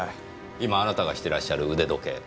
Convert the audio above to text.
今あなたがしてらっしゃる腕時計。